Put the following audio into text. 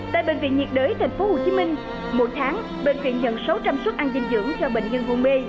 tại bệnh viện nhiệt đới tp hcm mỗi tháng bệnh viện nhận sáu trăm linh suất ăn dinh dưỡng cho bệnh nhân hôn mê